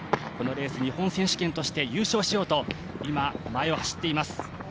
このレース日本選手権として優勝しようと今、前を走っています。